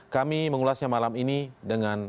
kami mengulasnya malam ini dengan